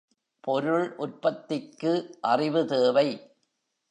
பொருள் உற்பத்திக்கு அறிவு தேவை.